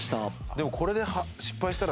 でもこれで。